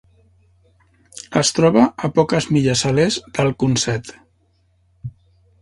Es troba a poques milles a l'est del Consett.